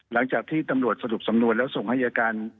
หลังจากที่ตำรวจสรุปสำนวนแล้วส่งให้อายการ